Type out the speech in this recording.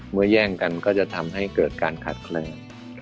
เมื่อแย่งกันก็จะทำให้เกิดการขาดเครื่อง